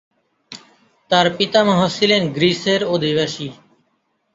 তার পিতামহ ছিলেন গ্রিসের অধিবাসী।